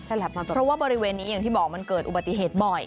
เพราะว่าบริเวณนี้อย่างที่บอกมันเกิดอุบัติเหตุบ่อย